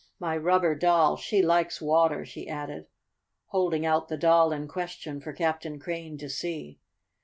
"My rubber doll she likes water," she added, holding out the doll in question for Captain Crane to see.